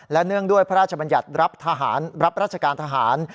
และเนื่องด้วยพระราชบัญญัติรับทหารรับราชการทหาร